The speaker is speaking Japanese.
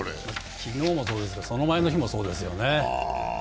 昨日もそうだし、その前の日もそうですよね。